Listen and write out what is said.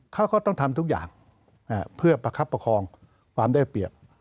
เขาก็ต้องทำทุกอย่างเพื่อประคับประคองความได้เปรียบ